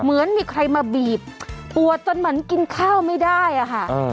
เหมือนมีใครมาบีบปวดจนเหมือนกินข้าวไม่ได้อะค่ะ